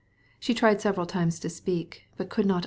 She tried several times to begin to speak, but could not.